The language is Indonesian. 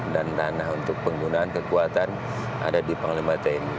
dan ranah untuk penggunaan kekuatan ada di panglima tni